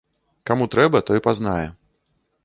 Каму трэба, той пазнае.